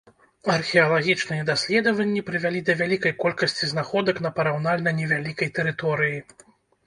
Археалагічныя даследаванні прывялі да вялікай колькасці знаходак на параўнальна невялікай тэрыторыі.